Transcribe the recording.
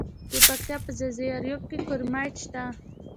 د پکتیا په ځاځي اریوب کې کرومایټ شته.